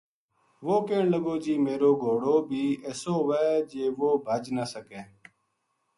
وہ کہن لگو جی میرو گھوڑو بی اِسو ہووے جی وہ بھج نہ سکے